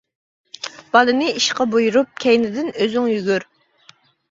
بالىنى ئىشقا بۇيرۇپ، كەينىدىن ئۆزۈڭ يۈگۈر.